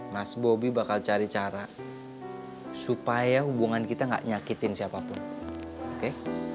mas bobi bakal cari cara supaya hubungan kita gak nyakitin siapapun oke